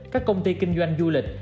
các công ty kinh doanh du lịch